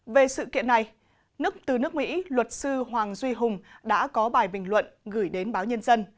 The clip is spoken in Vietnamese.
về sự kiện này nước từ nước mỹ luật sư hoàng duy hùng đã có bài bình luận gửi đến báo nhân dân